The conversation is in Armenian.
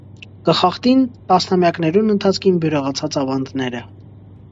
Կը խախտին տասնամեակներուն ընթացքին բիւրեղացած աւանդները։